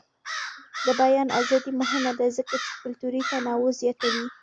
د بیان ازادي مهمه ده ځکه چې کلتوري تنوع زیاتوي.